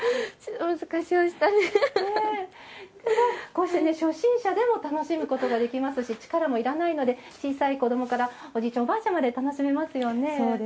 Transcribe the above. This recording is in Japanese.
こうして初心者でも楽しむことができますし力もいらないので小さい子どもからおじいちゃん、おばあちゃんまで楽しめますよね。